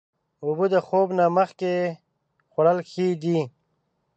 اوبه د خوب نه مخکې خوړل ښې دي.